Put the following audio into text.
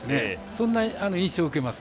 そんな印象があります。